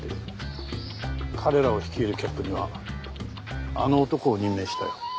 彼らを率いるキャップにはあの男を任命したよ。